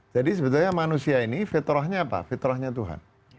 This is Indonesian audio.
jadi sebetulnya manusia ini fitrahnya apa fitrahnya tuhan